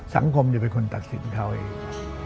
สังคมเป็นคนตัดสินเขาเอง